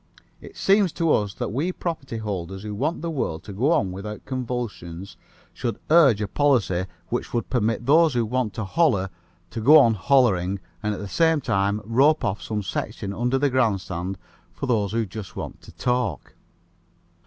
It seems to us that we property holders who want the world to go on without convulsions should urge a policy which would permit those who want to holler to go on hollering and at the same time rope off some section under the grandstand for those who just want to talk.